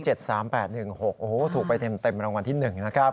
โอ้โหถูกไปเต็มรางวัลที่๑นะครับ